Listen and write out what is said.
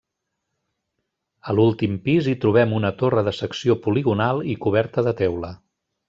A l'últim pis hi trobem una torre de secció poligonal i coberta de teula.